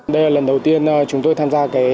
đây là lần đầu tiên chúng tôi tham gia